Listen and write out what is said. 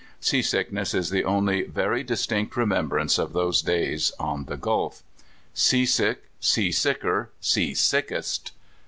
Sea sickness is the only very distinct remembrance of those days on the Gulf. Seasick, seasicker, sea sickest